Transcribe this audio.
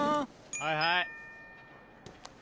はいはい。